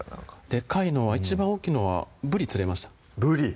でかいのは一番大きいのはブリ釣れましたブリ